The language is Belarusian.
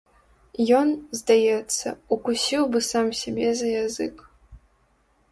Ён, здаецца, укусіў бы сам сябе за язык.